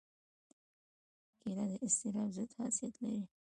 کېله د اضطراب ضد خاصیت لري.